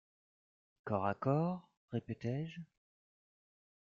«Corps à corps ? répétai-je.